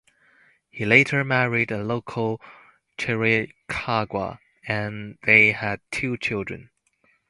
He later married a local Chiricahua and they had two children.